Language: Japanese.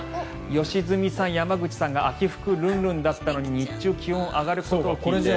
良純さん、山口さんが秋服ルンルンだったのに日中、気温が上がることを聞いて。